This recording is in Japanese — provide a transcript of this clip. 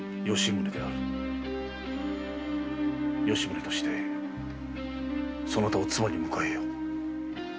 吉宗としてそなたを妻に迎えよう。